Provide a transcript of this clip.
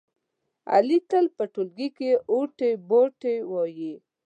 علي تل په ټولگي کې اوتې بوتې وایي.